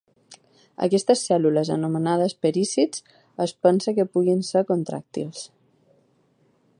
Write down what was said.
Aquestes cèl·lules anomenades perícits, es pensa que puguin ser contràctils.